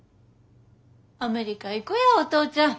アメリカ行こやお父ちゃん。